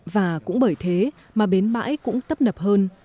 và cũng bởi thế mà bến bãi cũng tấp nập hơn